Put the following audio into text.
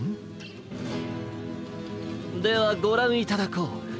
ではごらんいただこう！